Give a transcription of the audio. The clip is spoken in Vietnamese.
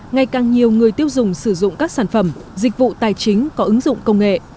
ngày càng nhiều người tiêu dùng sử dụng các sản phẩm dịch vụ tài chính có ứng dụng công nghệ